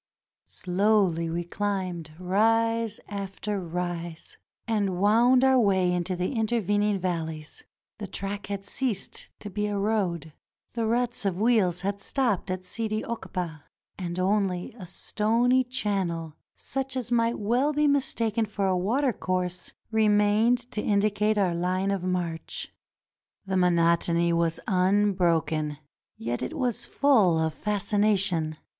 Slowly we chmbed rise after rise, and wound our way into the intervening valleys. The track had ceased to be a road ; the ruts of wheels had stopped at Sidi Okba, and only a stony channel such as might well be mistaken for a water course remained to indicate our line of march. 356 THE MUSIC OF THE DESERT The monotony was unbroken, yet it was full of fasci nation.